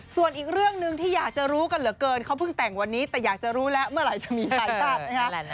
ส่วนอีกเรื่องหนึ่งที่อยากจะรู้กันเหลือเกินเขาเพิ่งแต่งวันนี้แต่อยากจะรู้มาลัยจะมีอะไรกัน